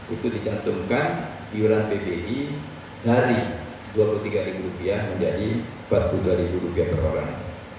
itu dicantumkan iuran pbi dari rp dua puluh tiga menjadi rp empat puluh dua per orang